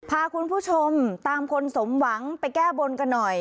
พาคุณผู้ชมตามคนสมหวังไปแก้บนกันหน่อย